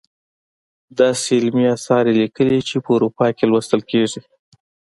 داسې علمي اثار یې لیکلي چې په اروپا کې لوستل کیږي.